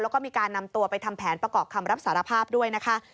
แล้วก็มีการนำตัวไปทำแผนประกอบคำรับสารภาพด้วยนะคะ